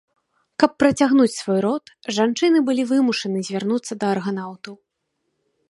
Каб працягнуць свой род, жанчыны былі вымушаны звярнуцца да арганаўтаў.